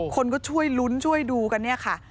คนก็ช่วยลุ้นช่วยดูกันเนี่ยค่ะ